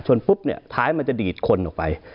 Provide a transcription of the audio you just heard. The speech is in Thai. ปุ๊บเนี่ยท้ายมันจะดีดคนออกไป